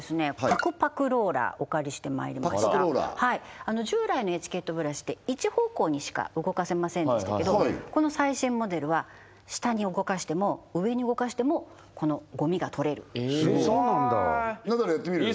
ぱくぱくローラー従来のエチケットブラシって一方向にしか動かせませんでしたけどこの最新モデルは下に動かしても上に動かしてもこのゴミが取れるすごいナダルやってみる？